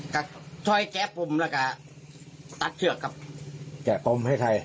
ก็เอาไอ้แกะพุมแล้วก็ตัดเครือกับแกะพุมให้ใคร